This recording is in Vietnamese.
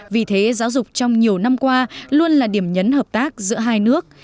vì thế giáo dục trong nhiều năm qua luôn là điểm nhấn hợp tác giữa hai nước